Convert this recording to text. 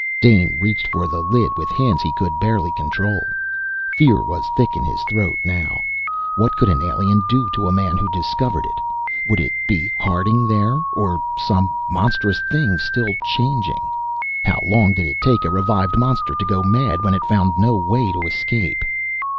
Dane reached for the lid with hands he could barely control. Fear was thick in his throat now. What could an alien do to a man who discovered it? Would it be Harding there or some monstrous thing still changing? How long did it take a revived monster to go mad when it found no way to escape?